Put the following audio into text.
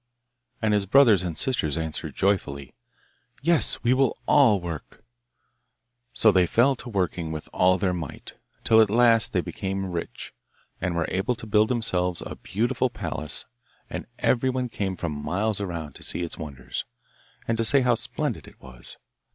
And his brothers and sister answered joyfully, 'Yes, we will all work!' So they fell to working with all their might, till at last they became rich, and were able to build themselves a beautiful palace; and everyone came from miles round to see its wonders, and to say how splendid it was.